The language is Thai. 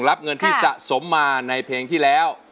รับเงินที่สะสมมาในเพลงที่แล้ว